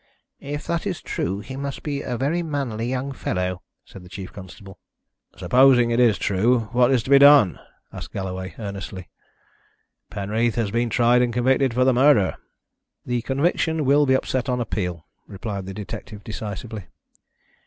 "If that is true he must be a very manly young fellow," said the chief constable. "Supposing it is true, what is to be done?" asked Galloway, earnestly. "Penreath has been tried and convicted for the murder." "The conviction will be upset on appeal," replied the detective decisively.